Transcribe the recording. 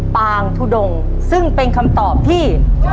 ปางทุดงซึ่งเป็นคำตอบที่